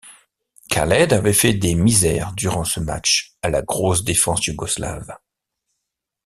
Khaled avait fait des misères durant ce match à la grosse défense yougoslave.